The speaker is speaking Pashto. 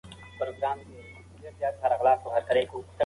که پښتو قوي وي، نو کلتوري ښکلا به پیکه نه شي.